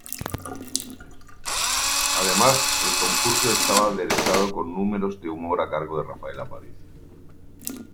Además, el concurso estaba aderezado con números de humor a cargo de Rafaela Aparicio.